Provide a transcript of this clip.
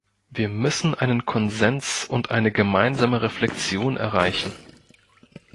Wir müssen einen Konsens und eine gemeinsame Reflexion erreichen.